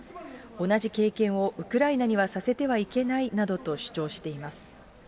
同じ経験をウクライナにはさせてはいけないなどと主張しています。